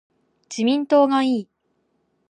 自民党がいい